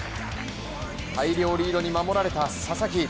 大量リードに守られた佐々木。